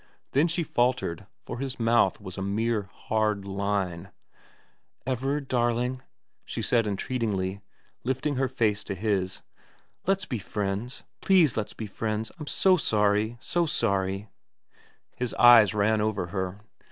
Then she faltered, for his mouth was a mere hard line. ' Everard, darling,' she said entreatingly, lifting her face to his, ' let's be friends please let's be friends I'm so sorry so sorry ' His eyes ran over her.